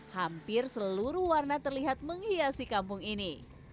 hampir seluruh warna terlihat menghiasi kampung ini